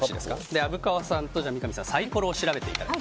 虻川さんと三上さんはサイコロを調べていただいて。